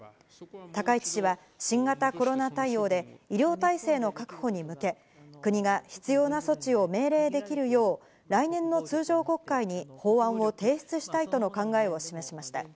高市氏は、新型コロナ対応で、医療体制の確保に向け、国が必要な措置を命令できるよう、来年の通常国会に法案を提出したいとの考えを示しました。